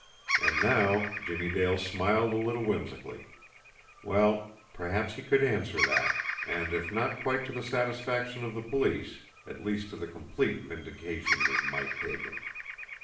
And now Jimmie Dale smiled a little whimsically. Well, perhaps he could answer that and, if not quite to the satisfaction of the police, at least to the complete vindication of Mike Hagan.